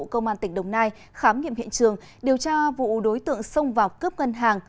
công an tỉnh đồng nai khám nghiệm hiện trường điều tra vụ đối tượng xông vào cướp ngân hàng